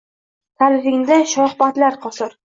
Taʼrifingda shohbaytlar qosir.